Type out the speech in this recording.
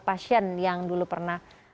pasien yang dulu pernah